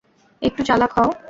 একটু চালাক হও!